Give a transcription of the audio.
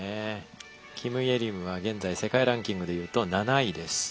キム・イェリムは現在世界ランキングでいうと７位です。